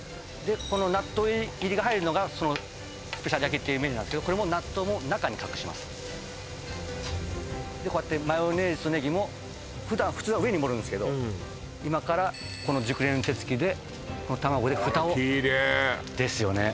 この納豆入りが入るのがスペシャル焼きっていうメニューなんですけどこれも納豆も中に隠しますでこうやってマヨネーズとネギも普段普通は上に盛るんですけど今からこの熟練の手つきで卵でふたをあらきれいですよね